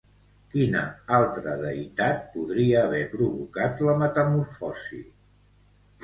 Quina altra deïtat podria haver provocat la metamorfosi?